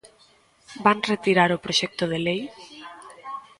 ¿Van retirar o proxecto de lei?